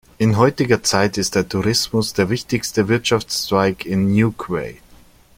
In heutiger Zeit ist der Tourismus der wichtigste Wirtschaftszweig in "Newquay".